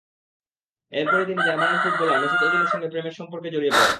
এরপরই তিনি জার্মানির ফুটবলার মেসুত ওজিলের সঙ্গে প্রেমের সম্পর্কে জড়িয়ে পড়েন।